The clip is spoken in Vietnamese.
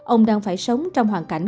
ông đang phải sống trong hoàn cảnh